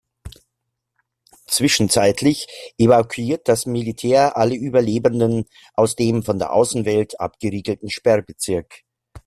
Zwischenzeitlich evakuiert das Militär alle Überlebenden aus dem von der Außenwelt abgeriegelten Sperrbezirk.